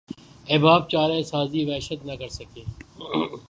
احباب چارہ سازی وحشت نہ کر سکے